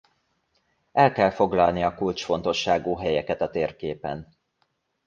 El kell foglalni a kulcsfontosságú helyeket a térképen.